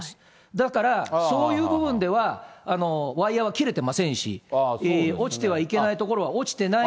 だからそういう部分では、ワイヤーは切れてませんし、落ちてはいけない所は落ちてない。